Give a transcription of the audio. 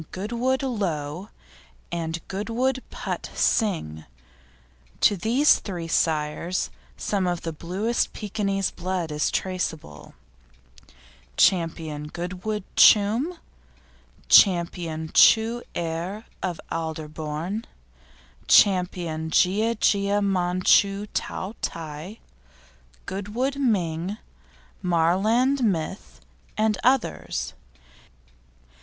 Goodwood Lo and Goodwood Put Sing. To these three sires, some of the bluest Pekinese blood is traceable, vide Ch. Goodwood Chum, Ch. Chu Erh of Alderbourne, Ch. Gia Gia, Manchu Tao Tai, Goodwood Ming, Marland Myth, and others.